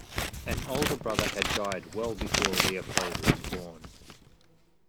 An older brother had died well before Leopold was born.